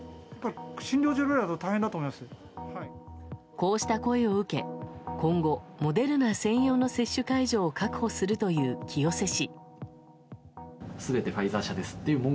こうした声を受け今後モデルナ専用の接種会場を確保するという清瀬市。